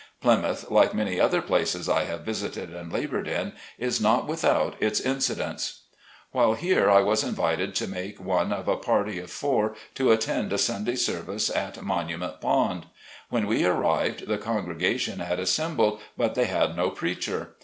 Plymouth, like many other places I have visited and labored in, is not without its incidents. While here I was invited to make one of a party of four to attend a Sunday service at Monument Pond. When we arrived the congregation had assembled, but they had no preacher.